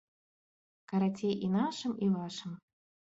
Карацей, і нашым і вашым.